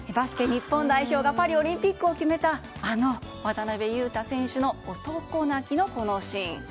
日本代表がパリオリンピックを決めたあの渡邊雄太選手の男泣きのこのシーン。